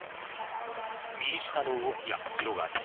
民主化の動きが広がり